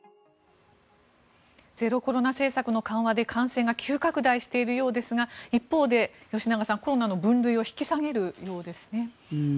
ゼロコロナ政策の緩和で感染が急拡大しているようですが一方で吉永さん、コロナの分類を引き下げるようですね。